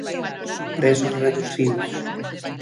Prezos reducidos.